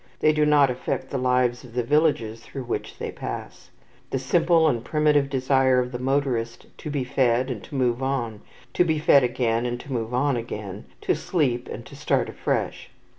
They do not affect the lives of the villages through which they pass. The simple and primitive desire of the motorist is to be fed and to move on, to be fed again and to move on again, to sleep and to start afresh.